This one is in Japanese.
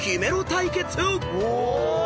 対決］